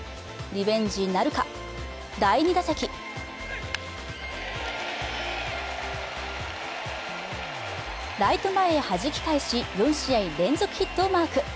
リベンジなるか第２打席ライト前へ弾き返し４試合連続ヒットをマーク